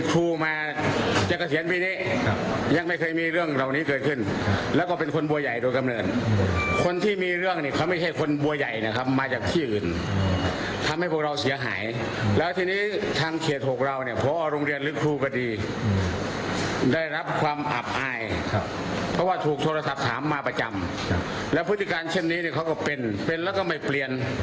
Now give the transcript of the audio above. และพฤติการเช่นนี้เขาก็เป็นเป็นแล้วก็ไม่เปลี่ยน